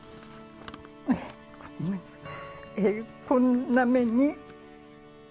こんな目に。